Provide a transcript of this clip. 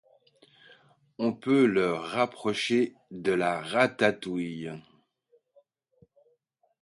On peut le rapprocher de la ratatouille.